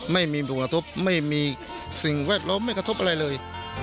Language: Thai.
ไม่มีผลกระทบไม่มีสิ่งแวดล้อมไม่กระทบอะไรเลย